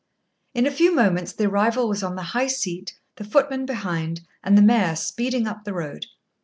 In a few moments the arrival was on the high seat, the footman behind, and the mare speeding up the road.